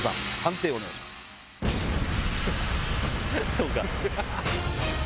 そうか。